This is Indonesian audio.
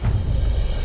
dia di rumah